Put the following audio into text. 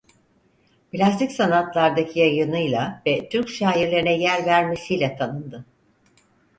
Plastik sanatlardaki yayınıyla ve Türk şairlerine yer vermesiyle tanındı.